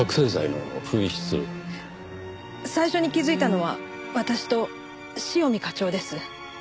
最初に気づいたのは私と塩見課長です。